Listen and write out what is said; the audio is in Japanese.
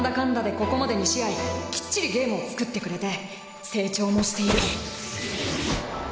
ここまで２試合きっちりゲームをつくってくれて成長もしている。